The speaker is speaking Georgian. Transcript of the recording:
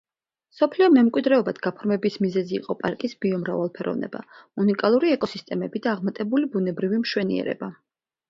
მსოფლიო მემკვიდრეობად გაფორმების მიზეზი იყო პარკის ბიომრავალფეროვნება, უნიკალური ეკოსისტემები და აღმატებული ბუნებრივი მშვენიერება.